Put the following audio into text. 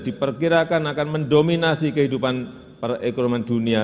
diperkirakan akan mendominasi kehidupan perekonomian dunia